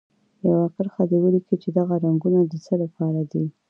یوه کرښه دې ولیکي چې دغه رنګونه د څه لپاره دي.